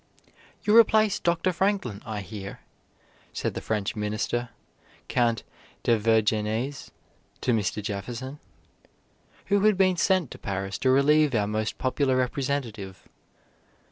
"You replace Dr. Franklin, I hear," said the French Minister, Count de Vergennes, to Mr. Jefferson, who had been sent to Paris to relieve our most popular representative.